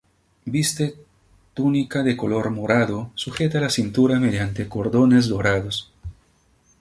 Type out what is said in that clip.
Viste túnica de color morado sujeta a la cintura mediante cordones dorados.